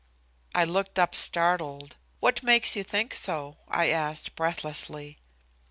'" I looked up startled. "What makes you think so?" I asked breathlessly.